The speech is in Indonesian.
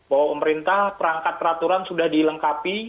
bahwa pemerintah perangkat peraturan sudah dilengkapi